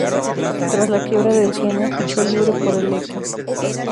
Tras la quiebra del Siena, fichó libre por el Lecce.